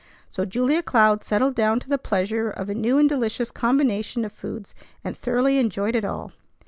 So Julia Cloud settled down to the pleasure of a new and delicious combination of foods, and thoroughly enjoyed it all.